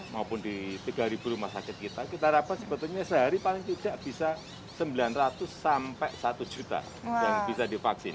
maupun di tiga ribu rumah sakit kita kita harapkan sebetulnya sehari paling tidak bisa sembilan ratus sampai satu juta yang bisa divaksin